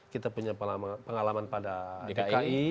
kita punya pengalaman pada dki